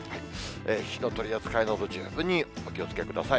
火の取り扱いなど、十分にお気をつけください。